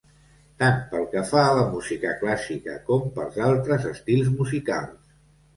Tant pel que fa a la música clàssica com pels altres estils musicals.